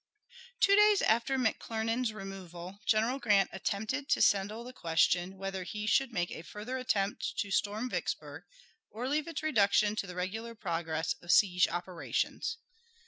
Two days after McClernand's removal General Grant attempted to settle the question whether he should make a further attempt to storm Vicksburg or leave its reduction to the regular progress of siege operations.